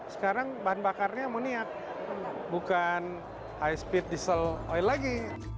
sekarang bahan bakarnya amoniak bukan high speed diesel oil lagi